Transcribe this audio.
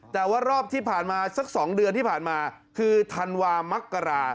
แต่ว่ารอบที่ผ่านมาสัก๒เดือนที่ผ่านมาคือธันวามักกรา